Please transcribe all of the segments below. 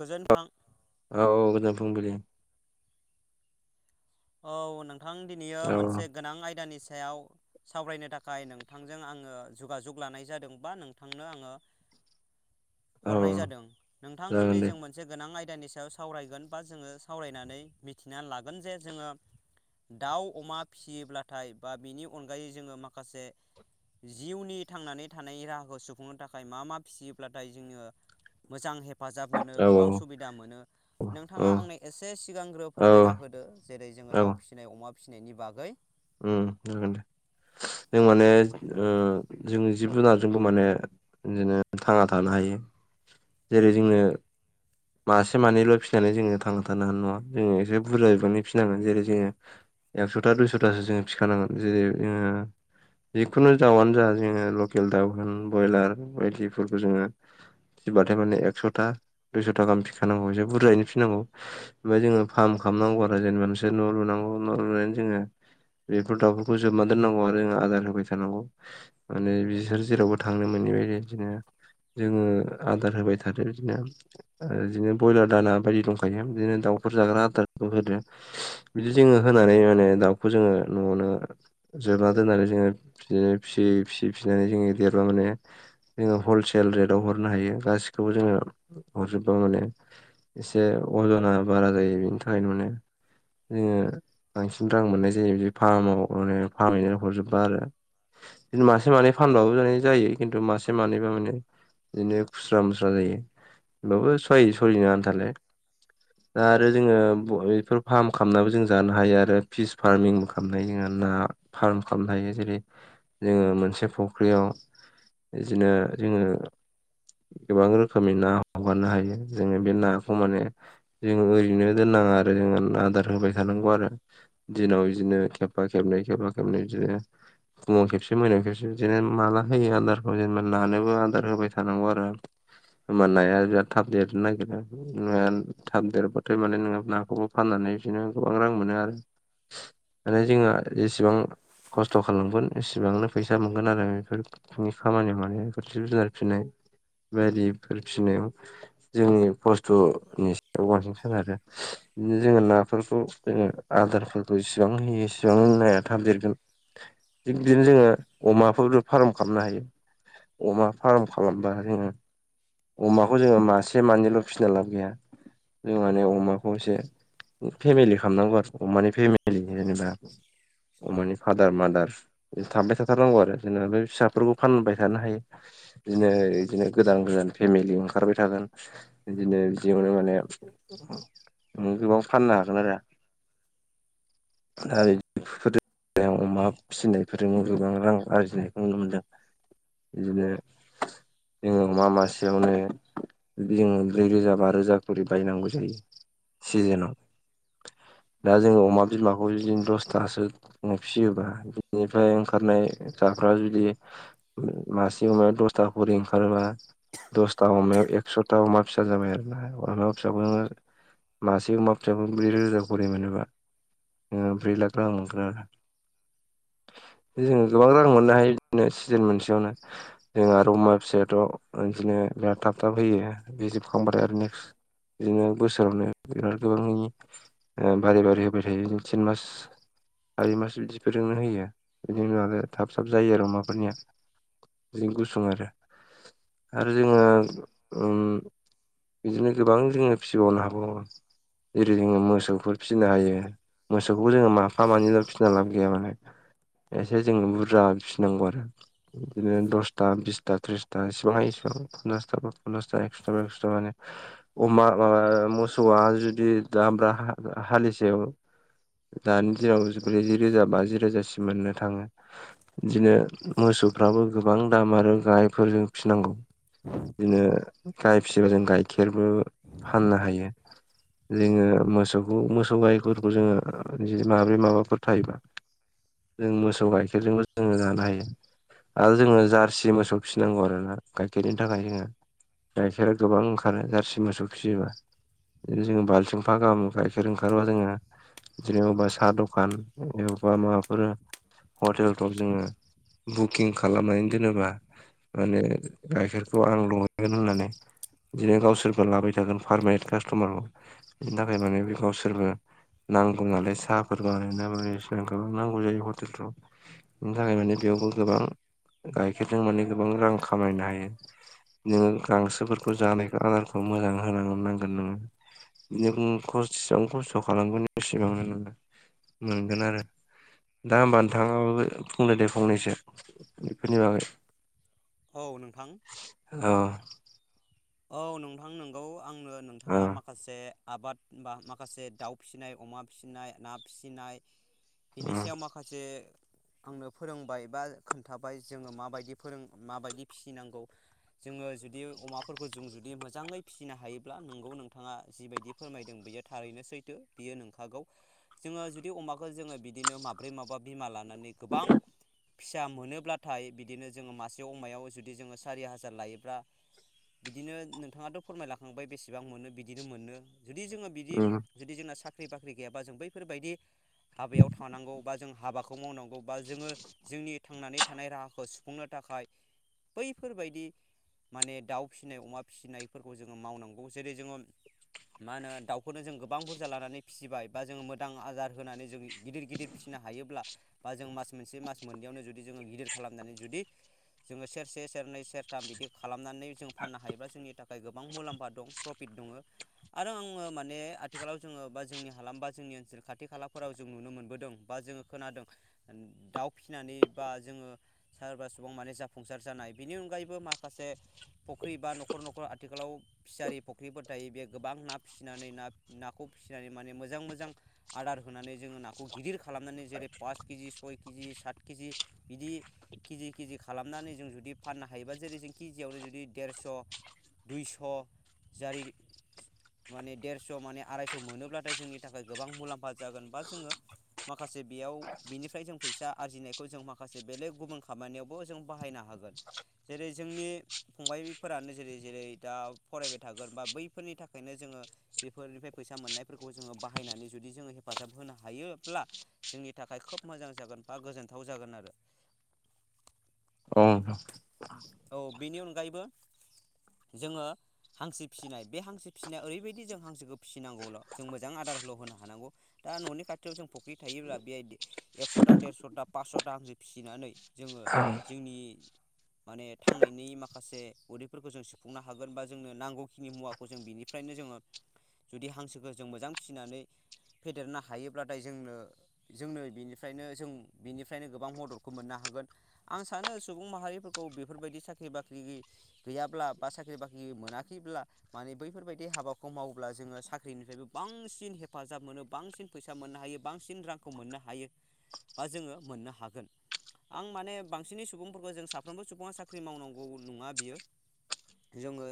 गोजोनथां औ औ गोजोन फुंबिलि औ नोंथां दिनैयो औ मोनसे गोनां आयदानि सायाव सावरायनो थाखाय नोंथांजों आङो जुगाजुग लानाय जादों बा नोंथांनो आङो औ हरनाय जादों नोंथां जागोन दिनै दे जों मोनसे गोनां आइ दानि सायाव सावरायगोन बा जोङो सावरायनानै मिथिनानै लागोन जे जोङो दाउ अमा फिसियोब्लाथाय बा बिनि अनगायै जोङो माखासे जिउनि थांनानै थानाय राहाखौ सुफुंनो थाखाय मा मा फिसियोब्लाथाय जोङो मोजां हेफ फाजाब मोनो औ गोबां सुबिदा मोनो औ नोंथाङा आंनो एसे सिगांग्रो औ फोरमायना होदो जेरै जोङो औ दाउ फिसिनाय अमा फिसिनायनि बागै उम जागोन दे जों माने ओ जोंनि जिब जुनारजोंबो माने बिदिनो थांना थानो हाय हायो जेरै जोङो मासे मानैल फिसिनानै जोङो थांना थानो हानाय नङा जोङो एसे बुरजा बिबांनि फिसिनांगोन जेरै जोङो एकस'था दुइस'थासो जोङो फिखानांगोन जेरै जोङो जिखुनु दाउआनो जा जोङो लकेल दाउ होन ब्रयलार बायदिफोरखौ जोङो फिबाथाय माने एकस'था दुइस'था गाहाम फिखानांगौ एसे बुरजायै फिसिनांगौ ओमफ्राय जोङो फार्मखौ खालामनांगौ आरो जेनेबा नोंसोर न' लुनांगौ न' लुनानै जोङो [inaudible] बेफोर दाउफोरखौ जोबनानै दोननांगौ आरो जों आदार होबाय थानांगौ माने बिसोर जेरावबो थांनो मोनैबाय बेदिनो जोङो आदार होबाय थादो बिदिनो बिदिनो ब्रयलार दाना बायदि दंखायो बिदिनो दाउ फोर जाग्रा आदारखौ होदो बिदि जोङो होनानै माने दाउ बेखौ जोङो न'आवनो जोबना दोननानै जोङो बिदिनो फिसियै फिसि फिसिनानै जोङो देरबा माने जोङो हलसेल रेटआव हरनो हायो गाैखौबो जोङो हरजोबबा माने एसे अजना बारा जायो बेनि थाखायनो जोङो बांसिन रां मोननाय जायो। जायो बिदि फार्माव फार्महैनानै हरजोबबा आरो बिदि मासे मानै फानबाबो जा जायो खिन्थु मासे मानैबा माने बिदिनो खुस्रा मुस्रा जायो हमबाबो सहाय सलिनो आथालाय। दा आरो जोङो ब बेफोर फार्म खालामनाबो जों जानो हायो आरो फिस फारमिंबो खालामनो हायो जोंङो ना फार्म खालामनो हायो जेरै जोंङो मोनसे फुख्रियाव बिदिनो जोंङो गोबां रोखोमनि ना हगारनो हायो जोंङो बे नाखौ माने जोंङो ओरैनो दोन नांङा आरो जोंनो आदार होबाय थानांगौ आरो। दिनाव बिदिनो खेबा खेबनै खेबा खेबनै बिदिनो फुंङाव खेबसे मोनायाव खेबसे बिदिनो माला होयो आदारखौ जेनेबा नानोबो आदार होबाय थानांगौ आरो। होमबा नाया बिराद थाब देरनो नागिरो ओ थाब देरबाथाय माने नोंङो नाखौबो फाननानै बिदिनो गोबां रां मोनो आरो माने जोंहा जेसेबां खस्थ' खालामगोन एसिबांनो फैसा मोनगोन आरो बेफोरनि खामानि मावनाय बेफोर जिब जुनार फिनाय बायदिफोर फिसिनायाव जोंनि खस्थ'नि सायाव बांसिन सोनारो। बिदिनो जोंङो नाफोरखौ जोंङो आदारफोर जेसेबां होयो इसेबां नाया थाबदेरगोन। थिग बिदिनो जोंङो अमाफोर फार्म खालामनो हायो। अमा फार्म खालामबा जोंङो अमाखौ जोंङो मासे मानैल' फिसिना लाब गैया जों माने अमाखौ एसे फेमिलि खालामनांगौ आरो अमानि फेमिलि जेनेबा अमानि फादार मादार थाबाय थाथारनांगौ आरो जेनबा बे फिसाफोरखौ फानबाय थानो हायो। बिदिनो इदिनो गोदान गोदान फेमिलि ओंखारबाय थागोन बिदिनो बिदियावनो माने नों गोबां फाननो हागोन आरो। [unintelligible] [unintelligible] [inaudible] अमा फिसिनायफोरजोंनो गोबां रां आरजिनायखौ नुनो मोनदों। बिदिनो जोङों अमा मासेयावनो जोंङो ब्रै रोजा बा रोजा ख'रि बायनांगौ जायो सिजेनाव। [unintelligible] दा जोंङो अमा बिमाखौ जुदि दसथासो फिसियोबा बिनिफ्राय ओंखारनाय जा फोरा जुदि मासे अमायाव दसथा ख'रि ओंखारोबा दसथा अमायाव एकस'था अमा फिसा जाबाय आरोना अमा फिसाखौ नोंङो मासे अमा फिसाखौ ब्रै रोजा ख'रि मोनोबा नोंङो ब्रैलाख रां मोनगोन आरो। [inaudible] जोंङो गोबां रां मोननो हायो बिदिनो सिजोन मोनसेयावनो जोंहा अमा फिसायाथ बिदिनो बिराद थाबथाब होयो बि जोबखांबाथाय आरो नेक्सट बिदिनो बोसोरावनो बिराद गोबांनि बारि-बारि होबाय थायो दुआ, तिन मास सारि मास बिदिफोरजोंनो होयो बिदिनो आरो थाब-थाब जायो आरो अमाफोरनिया, जि गुसुं आरो आरो जोंङो ओम बिदिनो गोबां जोंङो फिसिबावनो हाबाओ जेरै जोंङो मोसौफोर फिसिनो हायो, मोसौखौ जोंङो माफा मानैल' फिसिना लाब गैया माने एसे जोंङो बुरजा फिसिनांगौ आरो बिदिनो दसथा, बिसथा, थ्रिसथा एसे [inaudible] अमा माबा ओ मोसौवा जुदि दाम्रा हा-हालिसेयाव दानि दिनाव जि, ब्रैजि रोजा, बाजि रोजासिम मोननो थांङो बिदिनो मोसौ मोसौफ्राबो गोबां दाम आरो गायफोरजों गाइ फिसिबा जों गाइखेरबो फाननो हायो, जोंङो मोसौखौ मोसौ गायफोरखौ जोंङो ओ माब्रै माबाफोर थायोबा, - जों मोसौ गाइखेरजोंबो जोंङो जानो हायो आरो जोंङो जारसि मोसौ फिसिनांगौ आरो ना, - गाइखेरनि थाखाय जोंङो गाइखेरा गोबां ओंखारो जारसि मोसौ फिसियोबा, जोंङो बाल्थिंफा गाहाम गाइखेर ओंखारबा जोंङो, - जेनेबा साहा दखान एबा माबाफोर हटेलफ्राव जोङो बुकिं खालामनानै दोनोबा माने गाइखेरखौ आंल' हैगोन होननानै बिदिनो गावसोरबो लाबाय थागोन पारमानेन्ट कास्ट'मारखौ बिनि थाखाय माने बे गावसोरबो नांगौ नालाय साहाफोरखौ रटखौ नांगौ जायो हटेलफ्राव बिनि थाखाय माने बे बेवबो गोबां गाइखेरजों माने गोबां रां खामायनो हायो नोङो गांसोफोरखौ जानायखौ आदारखौ मोजां होनो नांगोन नोङो बिसेबां खस्थ' खालामगोन सिबां नोङो मोनगोन आरो। दा होमबा नोंथां बुंदो दे फंनैसो बेफोरनि बागै। औ नोंथां अ औ नोंथां नंगौ आंनो औ नोंथाङा माखासे आबाद बा माखासे दाउ फिसिनाय, अमा फिसिनाय, ना फिसिनाय बिनि सायाव माखासे आंनो फोरोंबाय बा खोन्थाबाय जोङो माबायदि फोरों माबायदि फिसिनांगौ जो ङो जुदि अमा फोरखौ जों जुदि मोजाङै फिसिनो हायोब्ला नोंगौ नोंथाङा जिबायदि फोरमायदों बेयो थारैनो सैथो। बे रो नोंथांखौ। जोङो जुदि अमाखौ जोङो बिदिनो माब्रै माबा बिमा ला नानै गोबां फिसा मोनोब्लाथाय बिदिनो जोङो मासे अमायाव जुदि जोङो सारि हाजार लायोब्ला बिदिनो नोंथाङाथ' फोरमायलाखांबाय बेसेबां मोनो बिदिनो मोनो जुदि जोङो बिदि उम जुदि जोंना सा ख्रि बाख्रि गैयाबा जों बैफोरबायदि हाबायाव थानांगौ बा जों हाबाखौ मावनांगौ बा जोङो जोंनि थांनानै थानाय राहाखौ सुफुंनो थाखाय बैफोरबायदि माने दाउ फिसिनाय अमा फिसिनायफोरखौ जोङो मावनांगौ जेरै जोङो मा होनो दाउखौनो जों गोबां बुरजा लानानै फिसिबाय बा जोङो मोदां आदार होनानै जों गिदिर गिदिर फि नो हायोब्ला बा जों मास मोनसे मास मोननैयावनो जुदि जोङो गिदिर खालामनानै जुदि जोङो सेरसे सेरनै सेरथाम बिदि खालामनानै जों फाननो हायोब्ला जोंनि थाखाय गोबां मुलामौफा दं प्रफिट दङ। आरो आङो माने आथिखालाव जोङो जोंनि हालाम बा जोंनि ओनोलनि खाथि खालाफोराव जों नुनो मोनबोदों बा जोङो खोनादों दाउ फिनाय बा जोङो सोरबा सुबुं मे जाफुंसार जानाय बेनि अनगायैबो माखासे फख्रि बा न'खर न'खर आथिखालाव फिसारि फख्रिफोर थायो बे गोबां ना फिसिनानै ना नाखौ फिसिनानै माने मोजां मोजां आदार होनानै जोङो नाखौ गिदिर खालामनानै जेरै पास केजि, सय केजि साथ केजि बिदि केजि केजि खालामनानै जों जुदि फाननो हायोबा जेरै जों केजियावनो जुदि देरस', दुइस' जारि माने देरस' माने आरायस' मोनोब्लाथाय जोंनि थाखाय गोबां मुलाम्फा जागोन बा जोङो माखासे बेयाव बिनिफ्राय जों फैसा आरजिनायखौ जों माखासे बेलेग गुबुन खामानियावबो जों बाहायनो हा गोन जेरै जोंनि फंबायफोरानो जेरै जेरै दा फरायबाय थागोन बा बैफोरनि थाखायनो जोङो बेफोरनिफ्राय फैसा मोननायफोरखौ जोङो बाहायनानै जुदि जोङो हेफाजाब होनो हायोब्ला जोंनि थाखाय खोब मोजां जागोन बा गोजोनथाव जागोन आरो। औ नोंथां। औ बेनि अनगायैबो जोङो हांसो फिसिनाय बे हांसो फिसिनाया ओरैबायदि जों हांसोखौ फिसिनांगौल' जों मोजां आदारल' होनो हानांगौ। दा न'नि खाथियाव जों फख्रि थायोब्ला बे एकस'था देरस'था पासस'था हांसो फिसिनानै जोङो औ जोंनि माने थांनायनि मा माखासे उदैफोरखौ जों सुफुंनो हागोन बा जोंनो नांगौखिनि मुवाखौ जों बिनिफ्रायनो जोङो जुदि हांसोखौ जों मोजां फिसिनानै फेदेरनो हायोब्लाथाय जोंनो जोंनो बेनिफ्रायनो जों बेनिफ्रायनो गोबां मददखौ मोननो हा गोन आं सानो सुबुं माहारिफोरखौ बेफोरबायदि साख्रि बा ख्रि गैयाब्ला बा साख्रि बाख्रि मोनाखैब्ला माने बैफोरबायदि हाबाखौ मावोब्ला जोङो साख्रिनिफ्रायबो बांसिन हेफाजाब मोनो बांसिन फैसा मोननो हायो बांसिन रांखौ मोननो हायो। बा जोङो मोननो हागोन आं माने बांसिनै सुबुंफोरखौ जों साफ्रोमबो सुबुङा साख्रि मावनांगौ। गौ नङा बियो। जोङो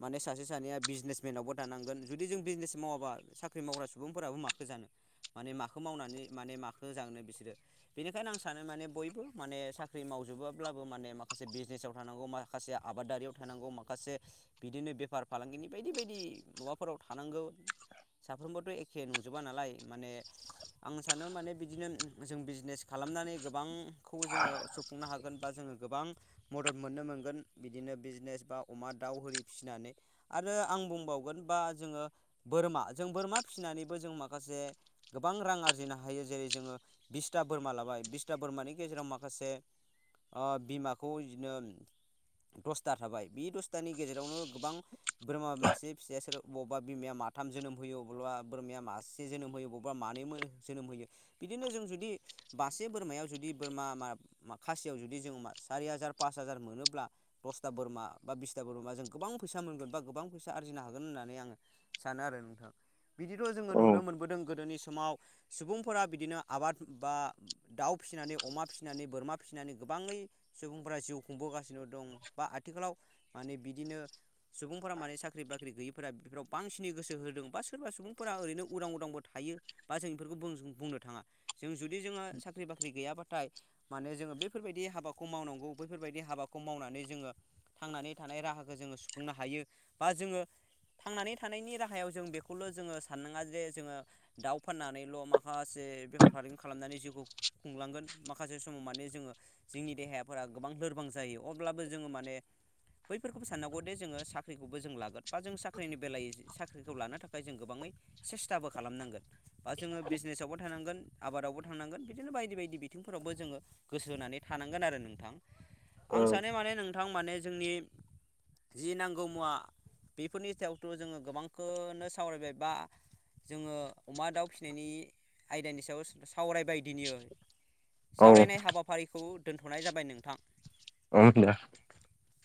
माने सासे सानैया बिजनेसमेनावबो दानांगोन जुदि जों बिजनेस मावाबा साख्रि माव मावग्रा सुबुंफोराबो माखो जानो। माने माखौ मावनानै माने माखो जानो बिसोरो बेनिखायनो आं सानो माने बयबो माने साख्रि माव जोबाब्लाबो माने माखासे बिजनेसाव थानांगौ माखासे आबादारियाव थानांगौ माखासे बिदिनो बेफार फालांगिनि बायदि बायदि माबाफोराव थानांगौ। साफ्रोमबोथ एखे नंजोबा नालाय माने आं सानो माने बिदिनो जों बिजनेस खालाम खालामनानै गोबांखौ जोङो सुफुंनो हागोन बा जोङो गोबां मदद मोननो मोनगोन बिदिनो बिजनेस बा अमा दाउ होरि फिसिनानै आरो आं बुंबावगोन बा जोङो बोरमा जों बोरमा फिसिनानैबो जों माखासे गोबां रां आरजिनो हायो जेरै जोङो बिसथा बोरमा लाबाय बिसथा बोरमानि गेजेराव माखासे ओ बिमाखौ नो दसथा थाबाय बि दसथानि गेजेरावनो गोबां बोरमा मासे फिसाया सोर बबावबा बिमाया मा थाम जोनोम होयो अबेबा बोरमाया मासे जोनोम होयो बबेबा मानै मो जोनोम होयो बिदिनो जों जुदि मासे बोरमायाव जुदि बोरमा मा खासियाव जुदि जों मा सारि हाजार पास हाजार मोनोब्ला दसथा बोरमा बा बिसथा बोरमा जों गोबां फैसा मोनगोन बा गोबां फैसा आरजिनो हागोन होन होननानै आं सानो आरो नोंथां। बिदिथ जोङो औ नुनो मोनबोदों गोदोनि समाव सुबुंफोरा बिदिनो आबाद बा दाउ फिसिनानै अमा फिसिनानै बोरमा फिसिनानै गोबाङै सुबुं फोरा जिउ खुंबोगासिनो दं बा आथिखालाव माने बिदिनो सुबुंफोरा माने साख्रि बाख्रि गैयि फोरा बेफोराव बांसिनै गोसो होदों बा सोरबा सुबुंफोरा ओरैनो उदां उदांबो थायो बा जों इफोरखौ बुं बुंनो। बो थाङा जों जुदि जोङो साख्रि बाख्रि गैयाबाथाय माने जोङो बेफोरबायदि हाबाखौ मावनांगौ। बैफोरबायदि हाबाखौ मावनानै जोङो थांनानै थानाय राहाखौ जोङो सुफुंनो हायो बा जोङो थांनानै थानायनि राहायाव जों बेखौल जोङो साननाङा जे जोङो दाउ फाननानैल माखासे बेफार फालांगि खालामनानै जिउखौ खुंलांगोन माखासे समाव माने जोङो जोंनि देहायाफोरा गोबां लोरबां जायो अब्लाबो जोङो माने बैफोरखौबो साननांगौ दे जोङो साख्रिखौबो जों लागोन बा जों साख्रिनि बेलायावै साख्रिखौ लानो थाखाय जों गोबाङै सेस्थाबो खालामनांगोन बा जोङो बिजनेसावबो थानांगोन आबादावबो थांनांगोन बिदिनो बायदि बायदि बिथिंफोरावबो जोङो गोसो होनानै थानांगोन आरो नोंथां। आं औ सानो माने नोंथां माने जोंनि जि नांगौ मुवा बेफोरनि सायावथ जोङो गोबांखोनो सावरायबाय बा जोङो अमा दाउ फिसिनायनि आयदानि सायाव सावरायबाय दिनियो। औ सावरायनाय हाबाफारिखौ दोन्थनाय जाबाय नोंथां। [unintelligible]